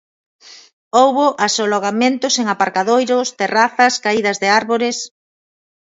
Houbo asolagamentos en aparcadoiros, terrazas, caídas de árbores.